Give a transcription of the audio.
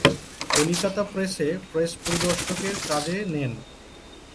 কলিকাতা প্রেসে প্রেস-পরিদর্শকের কাজে নেন।